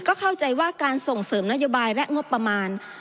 ก็เข้าใจว่าการส่งเสริมนโยบายและงบประมาณ